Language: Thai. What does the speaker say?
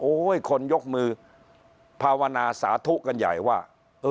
โอ้โหคนยกมือภาวนาสาธุกันใหญ่ว่า